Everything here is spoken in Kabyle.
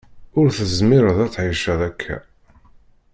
Ur tezmireḍ ad tεiceḍ akka.